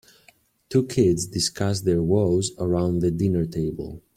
Two kids discuss their woes around the dinner table.